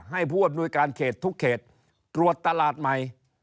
ผู้อำนวยการเขตทุกเขตตรวจตลาดใหม่